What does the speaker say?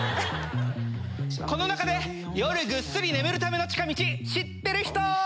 この中で夜ぐっすり眠るための近道知ってる人！